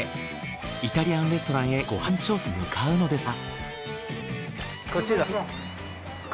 新潟県妙高市へイタリアンレストランへご飯調査に向かうのですが。